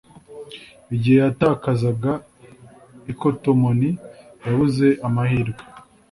Igihe yatakazaga ikotomoni, yabuze amahirwe.